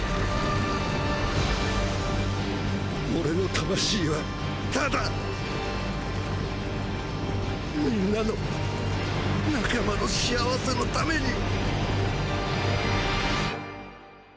俺の魂はただみんなの仲間の幸せの為に。